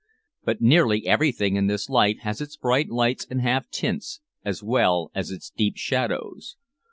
But nearly everything in this life has its bright lights and half tints, as well as its deep shadows.